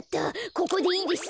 ここでいいです。